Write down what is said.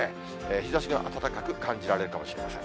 日ざしが暖かく感じられるかもしれません。